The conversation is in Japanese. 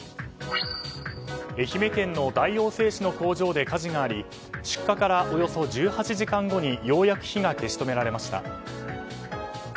愛媛県の大王製紙の工場で火事があり出火からおよそ１８時間後にようやく火が消し止められました。